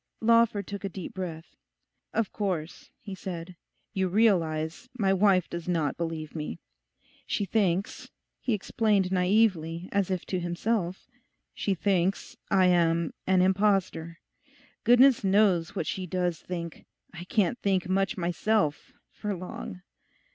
Lawford took a deep breath. 'Of course,' he said, 'you realise my wife does not believe me. She thinks,' he explained naively, as if to himself, 'she thinks I am an imposter. Goodness knows what she does think. I can't think much myself—for long!